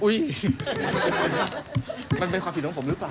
มันเป็นความผิดของผมหรือเปล่า